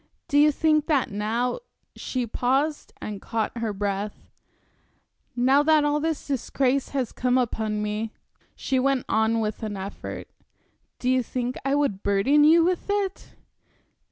Do you think that now" she paused and caught her breath "now that all this disgrace has come upon me," she went on with an effort, "do you think I would burden you with it?"